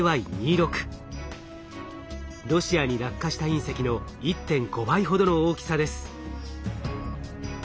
ロシアに落下した隕石の１．５倍ほどの大きさです。